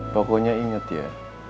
pokoknya ingat ya